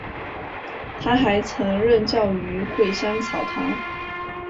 他还曾任教于芸香草堂。